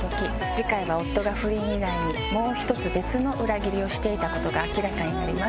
次回は夫が不倫以外にもう一つ別の裏切りをしていたことが明らかになります。